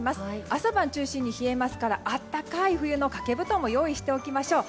朝晩中心に冷えますから暖かい冬の掛け布団も用意しておきましょう。